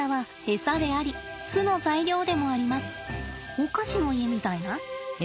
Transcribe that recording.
お菓子の家みたいな？